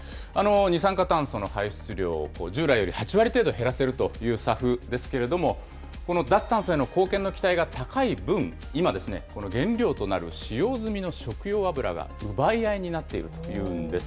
二酸化炭素の排出量を従来より８割程度減らせるというＳＡＦですけれども、この脱炭素への貢献の期待が高い分、今ですね、原料となる使用済みの食用油が奪い合いになっているというんです。